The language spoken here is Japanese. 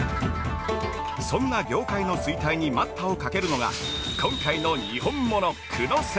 そんな業界の衰退に待ったをかけるのが今回のにほんもの久野染